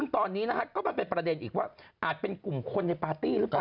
ตอนนี้นะฮะก็มันเป็นประเด็นอีกว่าอาจเป็นกลุ่มคนในปาร์ตี้หรือเปล่า